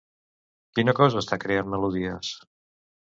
Quina cosa està creant melodies?